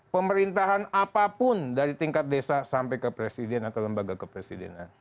pemerintahan apapun dari tingkat desa sampai ke presiden atau lembaga kepresidenan